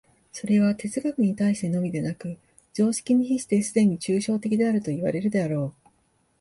それは哲学に対してのみでなく、常識に比してすでに抽象的であるといわれるであろう。